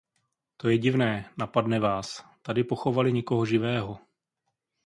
To je divné, napadne vás, tady pochovali někoho živého.